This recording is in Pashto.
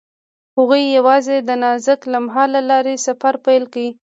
هغوی یوځای د نازک لمحه له لارې سفر پیل کړ.